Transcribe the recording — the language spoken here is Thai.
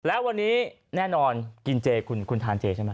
และวันนี้แน่นอนกินเจคุณทานเจใช่ไหม